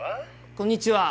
こんにちは。